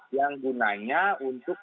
yang gunanya untuk